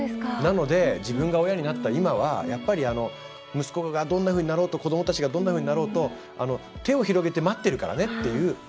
なので、自分が親になった今はやっぱり息子がどんなふうになろうと子どもたちがどんなふうになろうと手を広げて待ってるからねという。